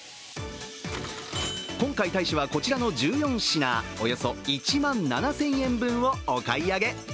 今回、大使はこちらの１４品およそ１万７０００円分をお買い上げ。